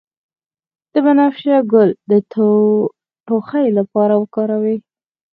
د بنفشه ګل د ټوخي لپاره وکاروئ